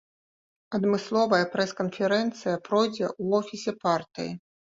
Адмысловая прэс-канферэнцыя пройдзе ў офісе партыі.